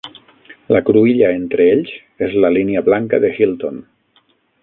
La cruïlla entre ells és la línia blanca de Hilton.